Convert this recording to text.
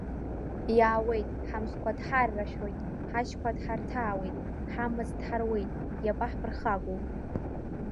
Иаауеит, ҳамхқәа дҳаррашәоит, ҳажьқәа дҳарҭаауеит, ҳамаҵ дҳаруеит, иабаҳԥырхагоу.